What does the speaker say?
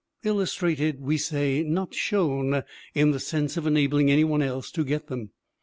Illustrated, we say, not shown in the sense of enabling any one else to get them.